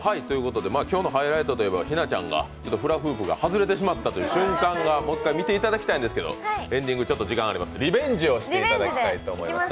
今日のハイライトは日奈ちゃんのフラフープが外れてしまった瞬間をもう一回見ていただきたいんですがエンディング、ちょっと時間があるのでリベンジをしていただきます。